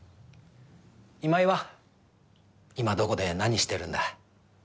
今井は今どこで何してるんだ？